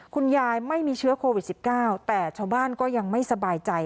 คุณยายไม่มีเชื้อโควิด๑๙แต่ชาวบ้านก็ยังไม่สบายใจ